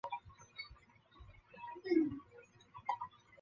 这些都使得机场具备了开办国际航线的条件。